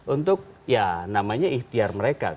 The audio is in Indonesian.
untuk ya namanya ikhtiar mereka